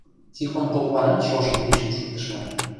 Тихон попланат шошым ӱчым шуктышна.